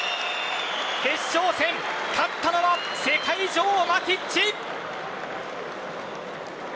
決勝戦、勝ったのは世界女王、マティッチ。